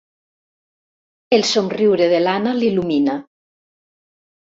El somriure de l'Anna l'illumina.